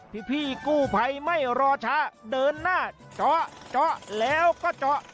พี่กู้ภัยไม่รอช้าเดินหน้าเจาะเจาะแล้วก็เจาะ